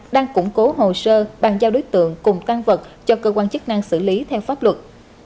đang củng cố hồ sơ bàn giao đối tượng cùng tăng vật cho cơ quan chức năng xử lý theo pháp luật